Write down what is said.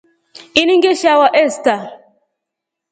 Ini ngeshawa esta.